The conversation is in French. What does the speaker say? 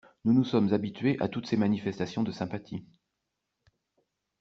Nous nous sommes habitués à toutes ces manifestations de sympathie.